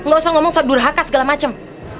gak usah ngomong soal durhaka segala macam